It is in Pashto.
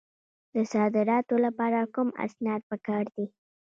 د صادراتو لپاره کوم اسناد پکار دي؟